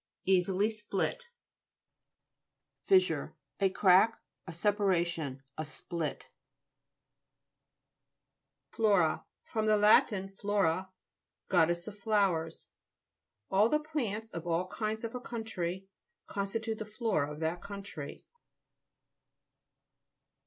Easily split FIS'SURE A crack, a separation ; a split FLO'RA fr. lat flora, goddess of flowers. All the plants of all kinds of a country constitute the flora, of that country.